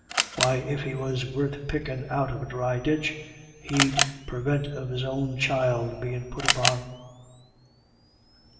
Why, if he was worth pickin' out of a dry ditch, he'd purvint of his own child bein' put upon."